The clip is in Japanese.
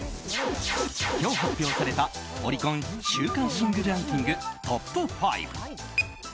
今日発表されたオリコン週間シングルランキングトップ５。